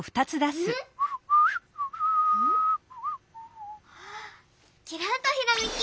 ん⁉きらんとひらめき！